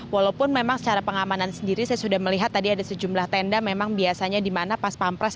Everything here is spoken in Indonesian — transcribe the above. walaupun memang secara pengamanan sendiri saya sudah melihat tadi ada sejumlah tenda memang biasanya di mana pas pampres